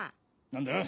何だ？